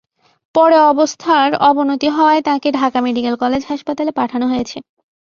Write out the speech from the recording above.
পরে অবস্থারর অবনতি হওয়ায় তাঁকে ঢাকা মেডিকেল কলেজ হাসপাতালে পাঠানো হয়েছে।